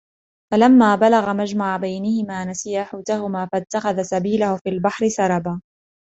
فلما بلغا مجمع بينهما نسيا حوتهما فاتخذ سبيله في البحر سربا